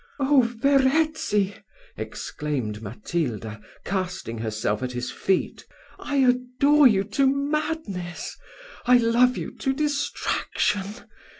"Oh, Verezzi!" exclaimed Matilda, casting herself at his feet, "I adore you to madness I love you to distraction.